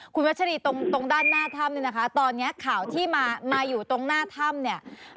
คุณวัชรีตรงด้านหน้าถ้ำเนี่ยนะคะตอนนี้ข่าวที่มาอยู่ตรงหน้าถ้ำเนี่ย